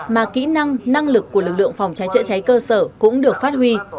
mà kỹ năng năng lực của lực lượng phòng cháy chữa cháy cơ sở cũng được phát huy